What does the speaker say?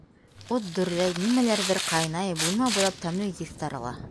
Ут дөрләй, нимәлэрҙер кайнай, бүлмә буйлап тәмле еҫ тарала.